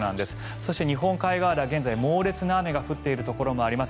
そして日本海側では現在猛烈な雨が降っているところもあります。